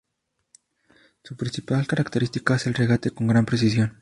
Su principal característica es el regate con gran precisión.